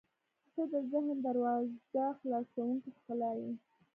• ته د ذهن دروازه خلاصوونکې ښکلا یې.